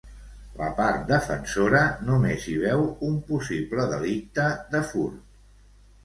La part defensora només hi veu un possible delicte de furt.